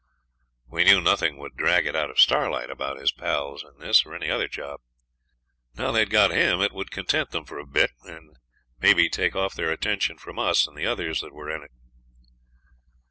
We knew nothing would drag it out of Starlight about his pals in this or any other job. Now they'd got him, it would content them for a bit, and maybe take off their attention from us and the others that were in it.